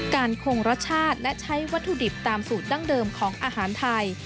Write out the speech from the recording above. คงรสชาติและใช้วัตถุดิบตามสูตรดั้งเดิมของอาหารไทย